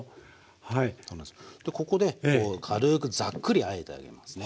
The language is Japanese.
でここで軽くザックリあえてあげますね。